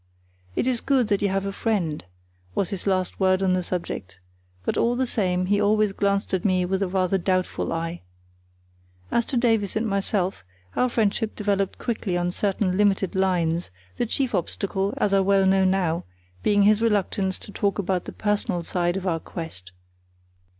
"It is good that you have a friend," was his last word on the subject; but all the same he always glanced at me with a rather doubtful eye. As to Davies and myself, our friendship developed quickly on certain limited lines, the chief obstacle, as I well know now, being his reluctance to talk about the personal side of our quest.